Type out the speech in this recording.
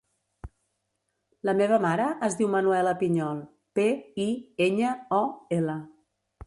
La meva mare es diu Manuela Piñol: pe, i, enya, o, ela.